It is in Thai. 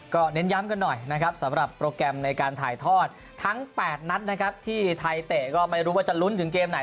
ก็เน้นย้ำกันหน่อยนะครับสำหรับโปรแกรมในการถ่ายทอดทั้ง๘นัดนะครับที่ไทยเตะก็ไม่รู้ว่าจะลุ้นถึงเกมไหน